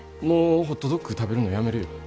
もうホットドッグ食べるのやめるよ。